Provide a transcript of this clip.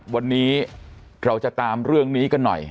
วันนี้เราจะตามเรื่องนี้กันหน่อย